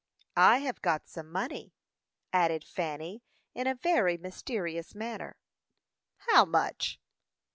"I have got some money," added Fanny, in a very mysterious manner. "How much?"